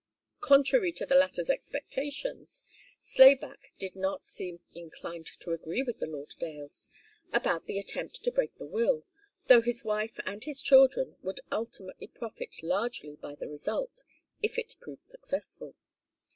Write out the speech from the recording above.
Contrary to the latter's expectations, Slayback did not seem inclined to agree with the Lauderdales about the attempt to break the will, though his wife and his children would ultimately profit largely by the result, if it proved successful.